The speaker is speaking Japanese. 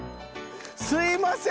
すいません！